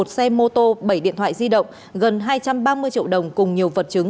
một xe mô tô bảy điện thoại di động